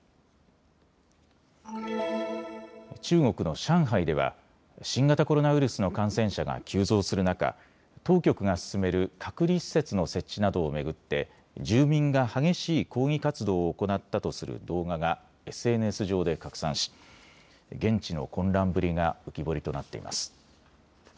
中国の上海では新型コロナウイルスの感染者が急増する中当局が進める隔離施設の設置などを巡って住民が激しい抗議活動を行ったとする動画がＳＮＳ上で拡散し現地の混乱ぶりが浮き彫りとなっています。